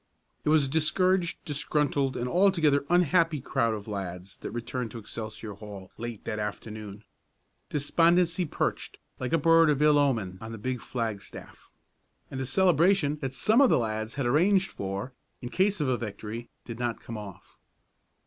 It was a discouraged, disgruntled and altogether unhappy crowd of lads that returned to Excelsior Hall late that afternoon. Despondency perched like a bird of ill omen on the big flagstaff; and a celebration that some of the lads had arranged for, in case of a victory, did not come off.